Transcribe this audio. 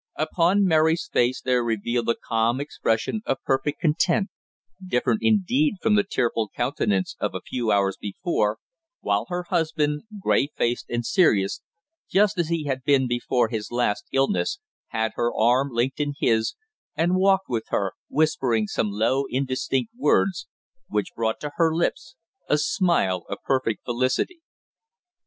Upon Mary's face there was revealed a calm expression of perfect content, different indeed from the tearful countenance of a few hours before, while her husband, grey faced and serious, just as he had been before his last illness, had her arm linked in his, and walked with her, whispering some low indistinct words which brought to her lips a smile of perfect felicity.